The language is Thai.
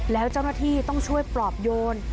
แล้วเจ้าหน้าที่ต้องช่วยปลอบโยน